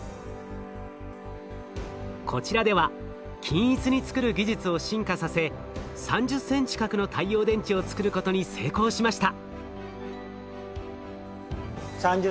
こちらでは均一に作る技術を進化させ３０センチ角の太陽電池を作ることに成功しました。